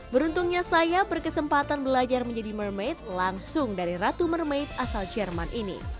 beruntungnya saya berkesempatan belajar menjadi mermaid langsung dari ratu mermaid asal jerman ini